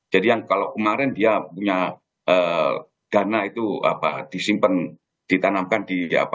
jadi yang kalau kemarin dia punya dana itu disimpan ditanamkan di ya apa